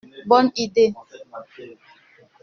Bonne idée!